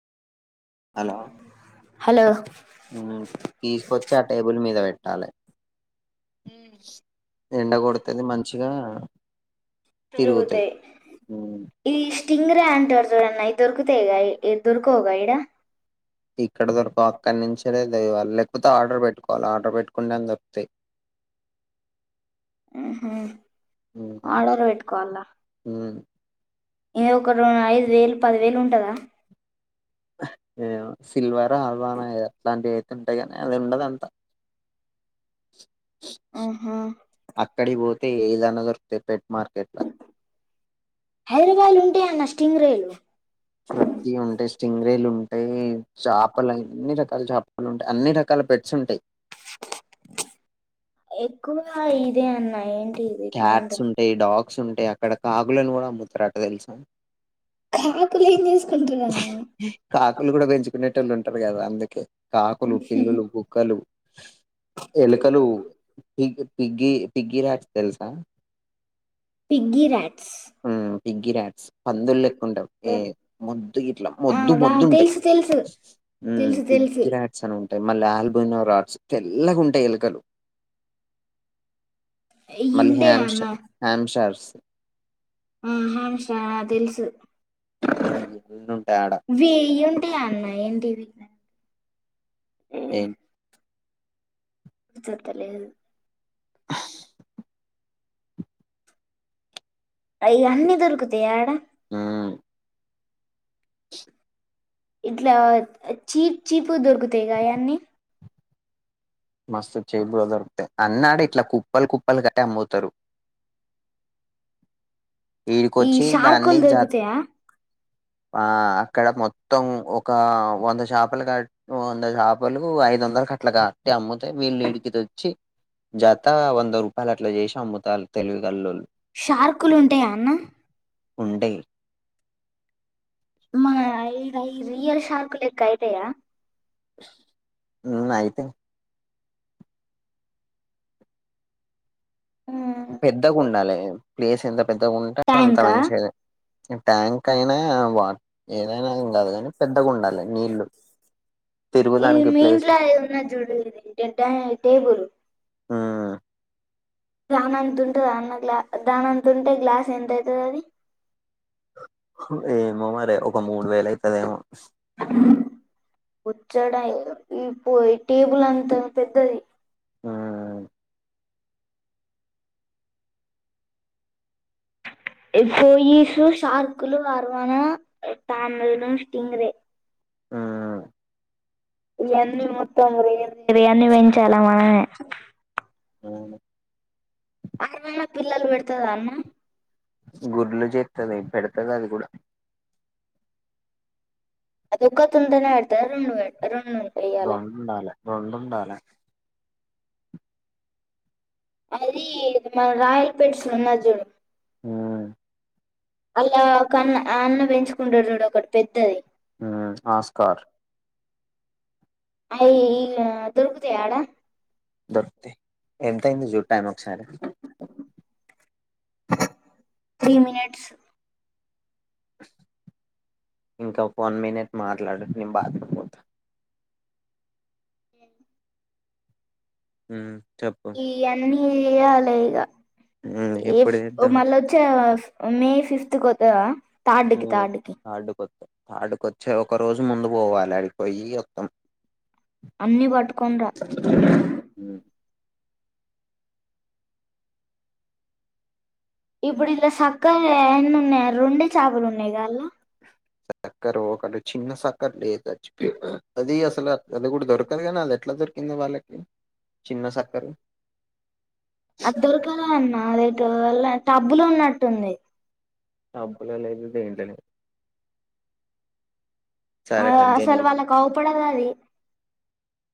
Hello hello తీసుకొచ్చి ఆ table మీద బెట్టాలె ఎండగొడతేనే మంచిగా తిరుగుతయి టిింగర అంటరు జూడు అన్న అయి దొరుకుతయ్ గ ఇ దొర్కవ్ గ ఈడ ఇక్కడ దొరకవ్ అక్కడి నుంచలే దేవాలి లేకపోతే ఆర్డర్ బెట్టుకోవాలి ఆర్డర్ బెట్టుకుంటె దొరుకుతయ్ ఉహు మ్మ్ ఆర్డర్ పేట్కోావాలా మ్మ్ ఇది ఒక రెండు అయిదు వేలు పది వేలు ఉంటదా ఏవొ సిల్వర్ హల్వానా ఎదో అట్లాంటివి అయితే ఉంటయి గనీ అది ఉండదు అంతా ఊహు. అక్కడి పోతే ఏలా నగర్ తే పెట్ మార్కెట్ ల హైదరాబాద్ ఉంటే అన్నష్ టింగ్ రేలు ప్రతి ఉంటే స్టింగ్రేలు ఉంట్ చాపలు అన్ని రకాల చాపలు ఉంటయి అన్ని రకాల పెట్స్ ఉంటయి ఎక్కువగా ఇదే అన్నాయి క్యాట్స్ ఉంటయి డాగ్స్ ఉంటాయి అక్కడ కాకులను గూడ అమ్ముతరట దెలుసా కాకులు ఏం చేసుకుంటరన్నా లు ఉంటరు గదా అందుకే కాకులు పిల్లులు కుక్కలు ఎలుకలు పిగ్ పిగి పిగి రాట్స్ తెలుసా పిగ్గిీ రాట్స్ బిగ్గి రాట్స్ పందులెక్కుండవ్ ఏ మొద్దు ఇట్లా మొద్దు మొద్దు ఉంటయి తెలుసు తెలుసు తెలుసు తెలుసు బిగ్గి రాట్స్ అని ఉంటా మళ్ళ ఆల్బోనో రాట్స్ తెల్లగా ఉంటయి ఎలుకలు ఇవి మళ్ళీ ఉంటాయి హ్యామ్స్ అన్న హాంస్టర్స్ [inaudible] ఆ హాంస ఆ తెలుసు అన్ని ఉంటాయి ఆడ వేయుంటాయా అన్న ఏంటివి ఏం సత్తలేదు అయ్యాన్ని దొరుకుతాయా ఆడ ఆ ఇట్లా చీప్ చీపుగ దొరుకుతయుగా అయ్యన్నీ మస్తు చీప్గా దొరుకుతాయి అన్ని ఆడ ఇట్లా కుప్పలు కుప్పల్ గట్టి అమ్ముతరు ఈ దాన్ని షార్కుల్ జా దొరుకుతయా ఆ అక్కడ మొత్తం ఒక వంద చేపలు క వంద చేపలు ఐదు వందలు కట్లు కాట్టి అమ్ముతే వీళ్ళు ఇడికి తెచ్చి జ అంత వంద రూపాయలు అట్లా జేషి అమ్ముతాలు తేల్విగల్లోల్లు షార్కులుంటాయా అన్న ఉంటాయి మా ఇ రై రియల్ షార్క్ లెక్క అయ్యుండయా ఉ అయితేయి పెద్దగుండాలే ప్లేస్ ఎంత పెద్దగుంటే అంత ట్యాంకా మంచిది ట్యాంక్ అయినా వా ఏదైనా ఏం కాదు కాని పెద్దగుండాలే నీళ్ళు ఇది మీంట్లో ఇదున్నది చూడు ఇది డెడ్డా టేబులు ఆ దాన అంతంటుందా అన్న గ్లా దానంతఉంటే గ్లాస్ ఎంత అయితది అది ఏమో మరే ఒక మూడు వేల అయితదేమో వచ్చాడ ఈ పో టేబుల్ అంతా పెద్దది ఆ పోయీసు షార్కులు ఆర్వానా తంబేలా స్ట్రింగ్ రే ఆ ఇయన్నీ మొత్తం రేర్ రేర్యన్ని పెంచాలా మనమే అవును అరుమనా పిల్లలు పెడతదా అన్న గుడ్లు చెత్తది పెడతది అది కూడా అదొక్కతుంటేనే పెడతదా రెండు వే రెండు ఉంటాయి ఇయ్యాల రెండుడాలే రెండుండాలే అది మన రాయల్ పెట్స్ లున్నది చూడు మ్మ్ అల్లకన్నా ఆ అన్న పెంచుకుంటడు చూడు ఒకటి పెద్దది ఆస్కార్ అయ్యి ఇళ్లా దొరుకుతయా ఆడా దొరుకుతాయి ఎంత అయింది చుడు టైం ఒకసారి త్రీ మినిట్స్ ఇంకా ఒక వన్ మినిట్ మాట్లాడు నేన్ బాత్రూంపోతా ఉ హ్మ్ ఇ అన్ని ఎయాలే ఇగా మ్మ్ ఏ ఎప్పుడు చేద్దాం మల్లొచ్చే మే ఫిఫ్త్ కొత్తవా? తాటికి, తాటికి. ఆడుకొచ్చే ఒక రోజు ముందు పోవాలి, అడిపోయి మొత్తం. అన్నీ పట్టుకని రా? మ్మ్ ఇప్పుడు ఇందులో సక్కగా ఎన్ని ఉన్నాయా రెండే చేపలు ఉన్నాయి కాలా? సక్కర ఒకటి చిన్న సక్కర లేదుచ్చి [unintelligible] అది అసలు అది కూడా దొరకదు కదా? కానీ అది ఎట్లా దొ కింద వాళ్లకి. అడ్డోరకదా అన్న అదే. టబ్బులో ఉన్నట్టున్నాయి. డబ్బులు అనేది ద ఏంట లేదు [unintelligible] ఆ సరే కట్ చేయ్ నేను అసలు వాళ్ళ కవుపడదు అది.